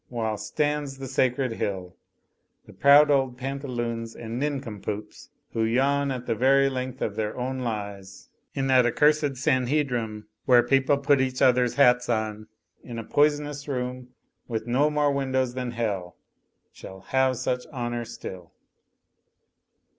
While stands the sacred hill, The proud old pantaloons and nincompoops. Who yawn at the very length of their own lies THE POET IN PARLIAMENT 215 in that accursed sanhedrim where people put each other's hats on in a poisonous room with no more windows than hell Shall have such honour still."